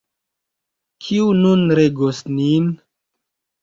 Kiu nun regos nin?